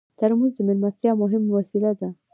ترموز د میلمستیا مهم وسیله ده.